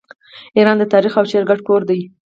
ایران د تاریخ او شعر ګډ کور دی.